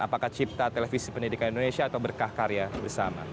apakah cipta televisi pendidikan indonesia atau berkah karya bersama